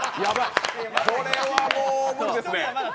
これはもう無理ですね。